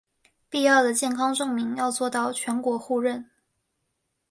必要的健康证明要做到全国互认